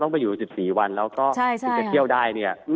ต้องไปอยู่สิบสี่วันแล้วถ้าไปเคี่ยวได้เนี่ย